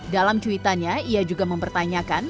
dalam cuitannya ia juga mempertanyakan